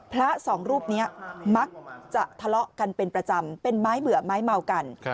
พระสองรูปนี้มักจะทะเลาะกันเป็นประจำเป็นไม้เบื่อไม้เมากัน